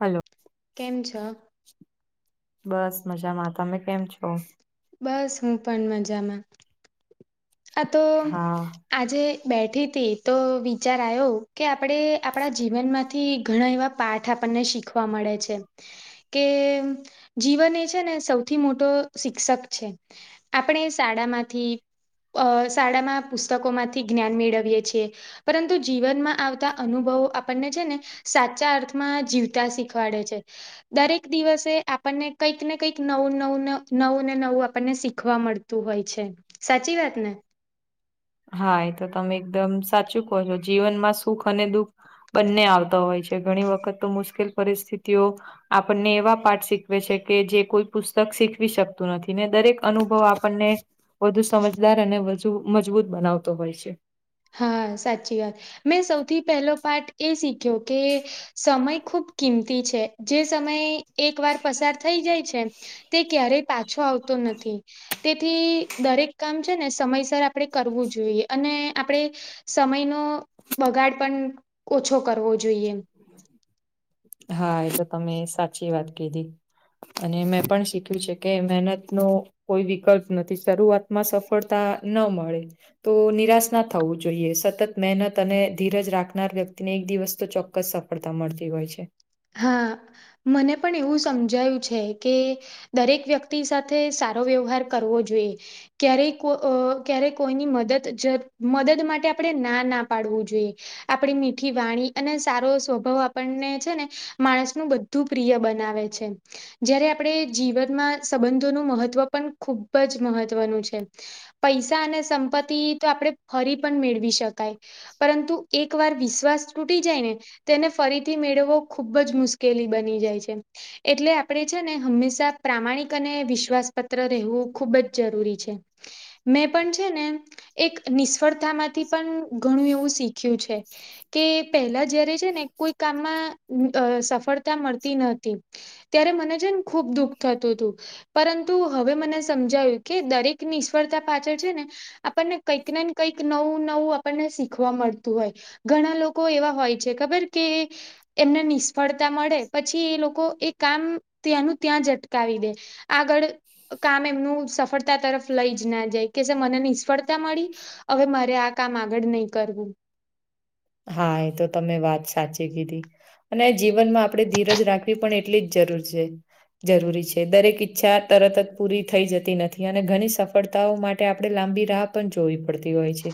Hello કેમ છ બસ મજામાં તમે કેમ છો. બસ હું પણ મજામાં અ તો હા આજે બેઠી હતી તો વિચાર આવ્યો કે આપણેે આપણા જીવનમાંથી ઘણા એવા પાઠ આપણને શીખવા મળે છે. કે જીવન એ છે ને સૌથી મોટો શિક્ષક છે. આપણે શાળા માંથી અ શાળામાં પુસ્તકોમાંથી જ્ઞાન મેળવીએ છ છેીએ પરંતુ જીવનમાં આવતા અનુભવો આપણને છે ને સાચા અર્થમાં જીવતા શીખવાડે છે. દરેક દિવસે આપણને કંઈક ને કંઈક નવું નવું, નવું ને નવું આપણને શીખવા મળતું હોય છે સાચી વાત ને હા એ તો તમે એકદમ સાચું કહો છો જીવનમાં સુખ અને દુઃખ બંને આવતા હોય છે. ઘણી વખત તો મુશ્કેલ પરિસ્થિતિઓ આપણને એવા પાઠ શીખવે છે કે જે કોઈ પુસ્તક શીખવી શકતું નથી ને દરેક અનુભવ આપણને વધુ સમજદાર અને વધુ મજબૂત બનાવતો હોય છે. હા સાચી વાત. મેં સૌથી પહેલો પાઠ એ શીખ્યો કે સમય ખૂબ કિંમતી છે. જે સમય એક વાર પસાર થઈ જાય છે તે ક્યારેય પાછો આવતો નથી. તેથી દરેક કામ છે ને સમયસર આપણેે કરવું જોઈએ અને આપણે સમયનો બગાડ પણ ઓછો કરવો જોઈએ. હા એ તો તમે સાચી વાત કીધી. અને મેં પણ શીખયુછે કે મહેનત નુ કોઈ વિકલ્પ નથી શરૂઆતમાં સફળતા ન મળે. તો નિરાશ ના થવું જોઈએ. સતત મહેનત અને ધીરજ રાખનાર વ્યક્તિને એક દિવસ તો ચોક્કસ ચોક્કસ સફળતા મળતી હોય છે. હા મને પણ એવું સમજાયું છે કે દરેક વ્યક્તિ સાથે સારો વ્યવહાર કરવો જોઈએ. ક્યારેક અ કોઈની મદદ માટે આપણે ના ના પાડવું જોઈએ. આપણી મીઠી વાણી અને સારો સ્વભાવ આપણને છે ને માણસનું બધું પ્રિય બનાવે છે. જયારે આપણે જીવનમાં સંબંધોનું મહત્ત્વ પણ ખુબ જ મહત્વનું છે. પૈસા અને સંપત્તિ તો આપણે ફરી પણ મેળવી શકાય. પરંતુ એક વાર વિશ્વાસ તૂટી જાય ને તેને ફરીથી મેળવવો ખુબ જ મુશ્કેલી બની જાય છે. એટલે આપણે છે ને હંમેશા પ્રામાણિક અને વિશ્વાસપત્ર રહેવું ખૂબ જ જરૂરી છે. મેં પણ છે ને એક નિષ્ફળતા માંથી પણ ઘણું એવું શીખ્યું છે. કે પહેલા જયારે છે ને કોઈ કામમાં સફળતા મળતી નતી. ત્યારે મને છે ને ખુબ દુઃખ થતું હતું. પરંતુ હવે મને સમજાયું કે દરેક નિષ્ફળતા પાછળ છે ને આપણને કંઈક ને કંઈક નવું નવું આપણને શીખવા મળતું હોય. ઘણા લોકો એવા હોય છે ખબર કે એમને નિષ્ફળતા મળે પછી એ લોકો એ કામ ત્યાંનું ત્યાં જ અટકાવી દે. આગળ કામ એમનું સફળતા તરફ લઈ જ ના જાય કેહસે મને નિષ્ફળતા મળી હવે મારે આ કામ આગળ નય કરવું. હા એ તો તમે વાત સાચી કીધી. અને જીવનમાં આપણે ધીરજ રાખવી પણ એટલી જ જરૂરી છે. જરૂરી છે. દરેક ઈચ્છા તરત જ પૂરી થઈ જતી નથી અને ઘણી સફળતાઓ માટે આપણે લાંબી રાહ પણ જોવી પડતી હોય છે.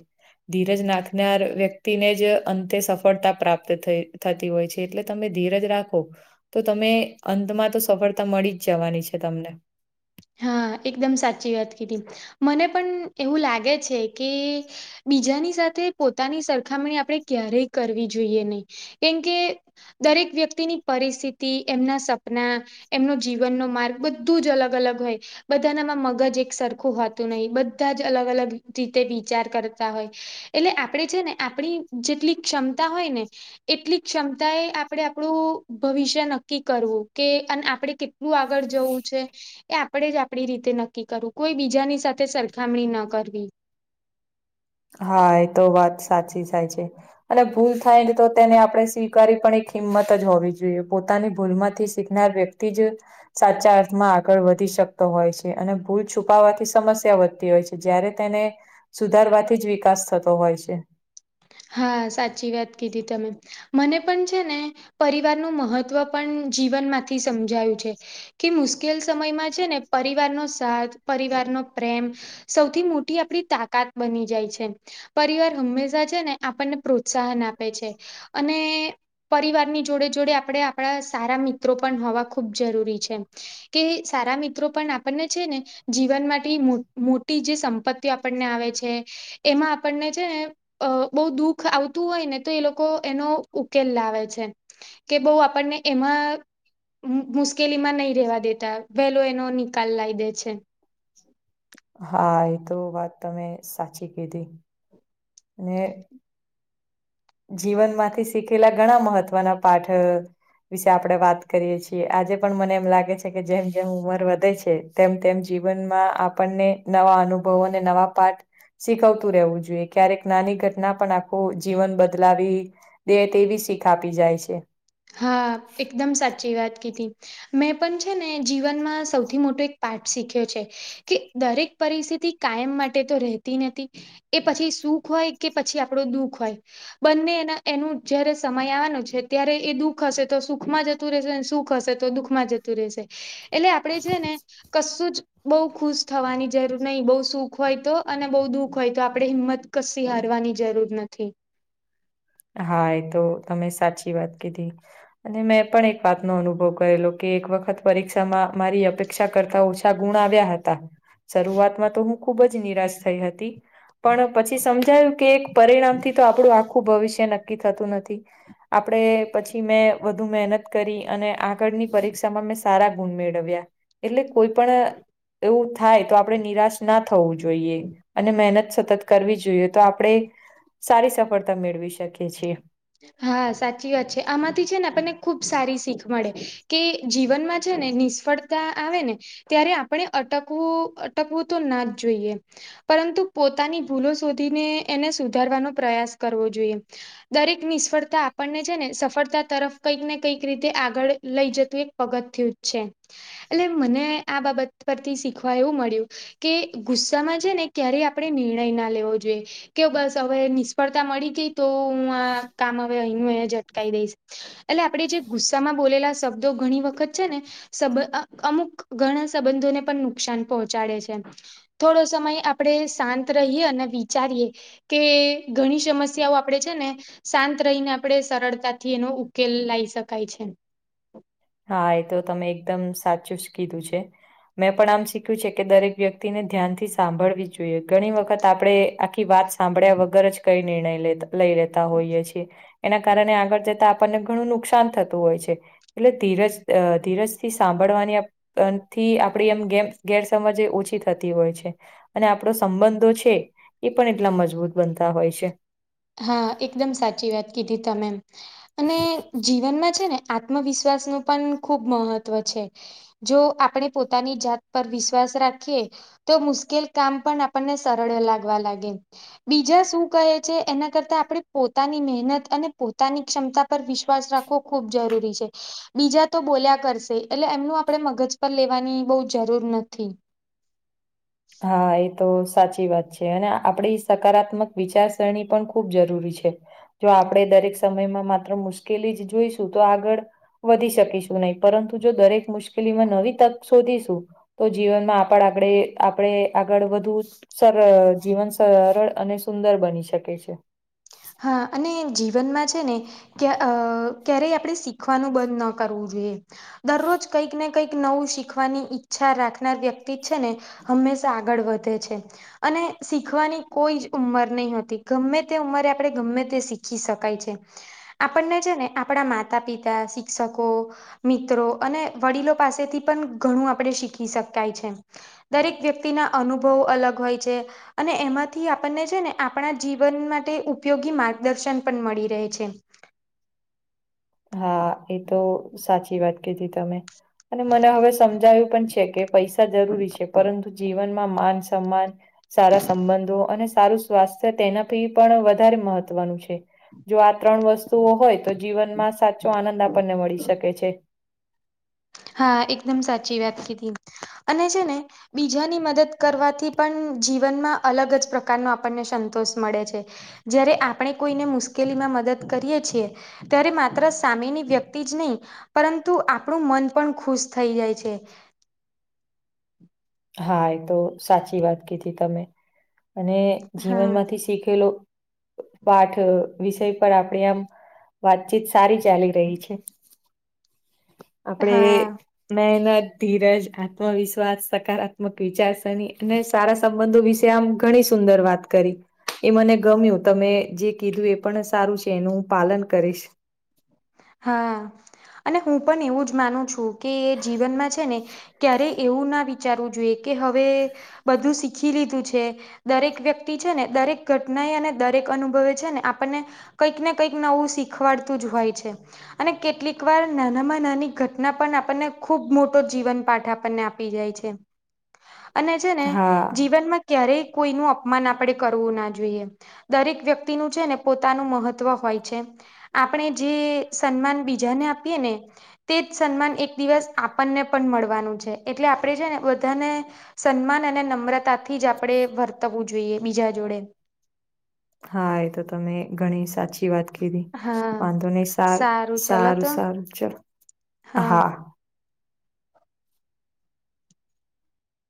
ધીરજ નાખનાર વ્યક્તિને જ અંતે સફળતા પ્રાપ્ત થતી હોય છે એટલે તમે ધીરજ રાખો તો તમે અંતમાં તો સફળતા મળી જ જવાની છે તમને. હા એકદમ સાચી વાત કીધી મને પણ એવું લાગે છે કે બીજાની સાથે પોતાની સરખામણી આપણે ક્યારેય કરવી જોઈએ નય કેમકે દરેક વ્યક્તિની પરિસ્થિતિ, એમના સપના એમનો જીવનનો માર્ગ બધું જ અલગ અલગ હોય. બધાના માં મગજ એક સરખું હોતું નય બધા જ અલગ અલગ રીતે વિચાર કરતા હોય. એટલે આપણે છે ને આપણી જેટલી ક્ષમતા હોય ને એટલી ક્ષમતા એ આપણે આપણું ભવિષ્ય નક્કી કરવું કે અને આપડે કેટલું આગળ જવું છે. એ આપણે જ આપડી રીતે નક્કી કરવું કોઈ બીજાની સાથે સરખામણી ન કરવી. હા એ તો વાત સાચી થાય છે. અને ભૂલ થાય ને તો તેને આપણે સ્વીકારી પણ એક હિંમત જ હોવી જોઈએ. પોતાની ભૂલ માંથી શિખનાર વ્યક્તિ તી જ સાચા અર્થમાં આગળ વધી શકતો હોય છે અને ભૂલ છુપાવાથી સમસ્યા વધતી હોય છે. જયારે તેને સુધારવાથી જ વિકાસ થતો હોય છે. હા સાચી વાત કીધી તમે મને પણ છે ને પરિવારનુ મહત્વ પણ જીવન માંથી સમજાયું છે. કે મુશ્કેલ સમયમાં છે ને પરિવાર નો સાથ પરિવાર નો પ્રેમ સૌથી મોટી આપડી તાકાત બની જાય છે પરિવાર હંમેશા છે ને આપણને પ્રોત્સાહન આપે છે, અને પરિવારની જોડે - જોડે આપણે આપણા સારા મિત્રો પણ હોવા ખૂબ જરૂરી છે. કે સારા મિત્રો પણ આપણને છે ને જીવન માટે મો મોટી જે સંપત્તિઓ આપણને આવે છે. એમાં આપણને છે ને અ બઉ દુઃખ આવતું હોય ને તો એ લોકો એનો ઉકેલ લાવે છે. કે બઉ આપણને એમાં મુશ મુશ્કેલી માં નહી રેવા દેતા, વહેલો એનો નિકાલ લાવ દે છે. હા એતો વાત તમે સાચી કીધી. ને જીવન માંથી શીખેલા ઘણા મહત્વના પાઠ વિશે આપડણે વાત કરીએ છીએ. આજે પણ મને એમ લાગે છે કે જેમ જેમ ઉંમર વધે છે. તેમ- તેમ જીવનમાં આપણને નવા અનુભવો અને નવા પાઠ શીખવતું રહેવું જોઈએ ક્યારેક નાની ઘટના પણ આખું જીવન બ બદલાવી દે તેવી શીખ આપી જાય છે. હા એકદમ સાચી વાત કીધી. મેં પણ છે ને જીવનમાં સૌથી મોટો એક પાઠ શીખ્યો છે. કે દરેક પરિસ્થિતિ કાયમ માટે તો રહેતી નથી. એ પછી સુખ હોય, કે પછી આપણો દુઃખ હોય. બંને એના એનું જયારે સમય આવવાનો છે. ત્યારે એ દુઃખ હશે તો સુખમાં જતું રહેશે અને સુખ હશે તો દુઃખમાં જતું રહેશે. એટલે આપડે છે ને કશુંજ બઉુ ખુશ થવાની જરૂર નહી. બઉુ સુખ હોય તો અને બહુ દુઃખ હોય તો આપડે હિંમત કસી હારવાની જરૂર નથી. હા એ તો તમે સાચી વાત કીધી. અને મેં પણ એક વાત નો અનુભવ કરેલો કે એક વખત પરીક્ષામાં મારી અપે ક્ષા કરતા ઓછા ગુણ આવ્યા હતા. શરૂઆતમાં તો હું ખુબ જ નિરાશ થઈ હતી. પણ પછી સમજાયું કે એક પરિણામથી તો આપણું આખું ભવિષ્ય નક્કી થતું નથી. આપણે પછી મેં વધુ મહેનત કરી અને આગળની પરીક્ષામાં મેં સારા ગુણ મેળવ્યા. એટલે કોઈ પણ એવું થાય તો આપણેે નિરાશ ના થવું જોઈએ, અને મહેનત સતત કરવી જોઈએ તો આપણે સારી સફળતા મેળવી શકીએ છીએ. હા સાચી વાત છે. આમાંથી છે ને આપણને ખુબ સારી શીખ મળે કે જીવનમાં છે ને નિસ ફડતા આવે ને ત્યારે આપણે અટકવું અટકવું તો ના જ જોઈએ. પરંતુ પોતાની ભૂલો શોધીને એને સુધારવાનો પ્રયાસ કરવો જોઈએ. દરેક નિષ્ફળતા આપણને છે ને સફળતા તરફ કંઈક ને કંઈક રીતે આગળ લઈ જતું એક પગથ થયું છે. એટલે મને આ બાબત પરથી શીખવા એવું મળ્યું કે ગુસ્સામાં છે ને ક્યારેય આપણે નિર્ણય ના લેવો જોઈએ. કેવ બસ હવે નિષ્ફળતા મળી ગઈ તો હું આ કામ અઇ નું અહીનું જટકી દઈશ એટલે આપણેે જે ગુસ્સામાં બોલેલા શબ્દ તો ઘણી વખત છે ને સબ અમુક ઘણા સંબંધોને પણ નુકસાન પહોંચાડે છે. થોડો સમય આપણેે શાંત રહીએ અને વિચારીએ. કે ઘણી સમસ્યાઓ આપણેે છેને શાંત રહીને આપડે સરળતાથી એનો ઉકેલ લાવી શકાય છે. હા એ તો તમે એકદમ સાચું જ કીધું છે. મેં પણ આમ શીખ્યું છે કે દરેક વ્યક્તિને ધ્યાનથી સાંભળવી જોઈએ. ઘણી વખત આપડે આખી વાત સાંભડ્યા વગર જ કઈ નિર્ણય લેતા લઈ લેતા હોઈએ છીએ એના કારણે આગળ જતા આપણને ઘણું નુકસાન થતું હોય છે. એટલે ધીરજ અ ધીરજથી સાંભળવાની પણ થી આપડી એમ ગેર ગેરસમજ ઓછી થતી હોય છે. અને આપણો સંબંધો છે એ પણ એટલા મજબૂત બનતા હોય છે. હા એકદમ સાચી વાત કીધી તમે અને જીવનમાં છે ને આત્મવિશ્વાસ નું પણ ખૂબ મહત્વ છે. જો આપણે પોતાની જાત પર વિશ્વાસ રાખીએ તો મુશ્કેલ કામ પણ આપણને સરળ લાગવા લાગે, બીજા શું કહે છે એના કરતાં આપણે પોતાની મહેનત અને પોતાની ક્ષમતા પર વિશ્વાસ રાખવો ખૂબ જરૂરી છે. બીજા તો બોલ્યા કરશે એટલે એમનું આપણે મગજ પર લેવાની બો જરૂર નથી. હા એ તો સાચી વાત છે અને આપણે સકારાત્મક વિચારસરણી પણ ખૂબ જરૂરી છે. જો આપણે દરેક સમયમાં માત્ર મુશ્કેલી જ જોઈશું તો આગળ વધી શકીશું નહી તો પરંતુ જો દરેક મુશ્કેલીમાં નવી તક શોધીશું તો જીવનમાં આગડ આપડે આપણે આગળ વધુ સર જીવન સરળ અને સુંદર બની શકે છે. હા અને જીવનમાં છે ને કે અ ક્યારેય આપણે શીખવાનું બંધ ન કરવું જોઈએ. દરરોજ કંઈક ને કંઈક નવું શીખવાની ઈચ્છા રાખનાર વ્યક્તિ છે ને હંમેશા આગળ વધે છે. અને શીખવાની કોઈ જ ઉંમર નય હોતી ગમે તે ઉંમરે આપણે ગમે તે શીખી શકાય છે. આપણને છે ને આપણા માતા, પિતા, શિક્ષકો મિત્રો અને વડીલો પાસેથી પણ ઘણું આપણે શીખી શકાય છે. દરેક વ્યક્તિના અનુભવો અલગ હોય છે અને એમાંથી આપણને છે ને આપણા જીવન માટે ઉપ ઉપયોગી માર્ગદર્શન પણ મળી રહે છે. હા એ તો સાચી વાત કીધી તમે. અને મને હવે સમજાયું પણ છે કે પૈસા જરૂરી છે પરંતુ જીવનમાં માન, સમાન સારા સંબંધો અને સારું સ્વાસ્થ્ય તેનાથી પણ વધારે મહત્વનું છે. જો આ ત્રણ વસ્તુઓ હોય તો જીવનમાં સાચો આનંદ આપણને મળી શકે છે. હા એકદમ સાચી વાત કીધી અને છે ને બીજાની મદદ કરવાથી પણ જીવનમાં અલગ જ પ્રકારનો આપણને સંતોષ મળે છે. જ્યારે આપણે કોઈને મુશ્કેલી માં મદદ કરીએ છીએ ત્યારે માત્ર સામેની વ્યક્તિ જ નય પરંતુ આપણું મન પણ ખુશ થઈ જાય છે. હા એ તો સાચી વાત કીધી તમે. અને હા જીવનમાંથી શીખેલો પાઠ વિષય પર આપણે આમ વાતચીત સારી ચાલી રહી છે. આપડે હા મહેનત, ધીરજ, આત્મવિશ્વાસ સકારાત્મક વિચારસરણી અને સારા સંબંધો વિશે આમ ઘણી સુંદર વાત કરી. એ મને ગમ્યું તમે જે કીધું એ પણ સારું છે એનું પાલન કરીશ. હા અને હું પણ એવું જ માનું છું કે જીવનમાં છે ને ક્યારે એવું ના વિચારવું જોઈએ કે હવે બધું શીખી લીધું છે. દરેક વ્યક્તિ છે ને દરેક ઘટના એ અને દરેક અનુભવે છે ને આપણને કંઈક ને કંઈક નવું શીખવાડતું જ હોય છે. અને કેટલીક વાર નાનામાં નાની ઘટના પણ, આપણને ખુબ મોટો જીવન પાઠ આપણને આપ અને છે ને, હા જીવનમાં ક્યારેય કોઈ નું અપમાન આપણેે કરવું ના જોઈએ. દરેક વ્યક્તિનું છે, ને પોતાનું મહત્વ હોય છે, આપણે જે સન્માન બીજાને આપીએ ને, તે જ સન્માન એક દિવસ આપણને પણ મળવાનું છે. એટલે આપણે છે ને, બધાને સન્માન અને નમ્રતાથી જ આપણેે વર્તવવું જોઈએ, બીજા જોડે. હા, એ તો તમે ઘણી સાચી વાત. હા વાંધો નહીં, સારું, ચાલો સારું, તો સારું, ચાલ, હા.